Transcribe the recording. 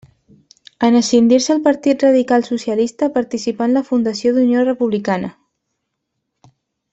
En escindir-se el Partit Radical-Socialista, participà en la fundació d'Unió Republicana.